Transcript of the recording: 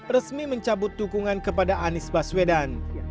resmi mencabut dukungan kepada anies baswedan